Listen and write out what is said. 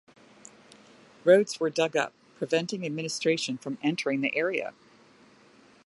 Roads were dug up, preventing administration from entering the area.